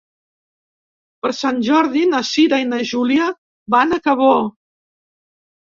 Per Sant Jordi na Cira i na Júlia van a Cabó.